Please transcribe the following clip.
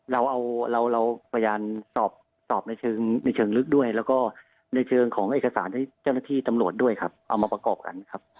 เราเอาเราพยายามสอบในเชิงในเชิงลึกด้วยแล้วก็ในเชิงของเอกสารที่เจ้าหน้าที่ตำรวจด้วยครับเอามาประกอบกันครับ